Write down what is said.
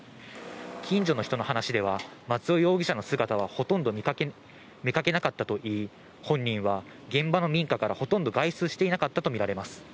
近所の人の話では、松尾容疑者の姿はほとんど見かけなかったと言い、本人は現場の民家からほとんど外出していなかったと見られます。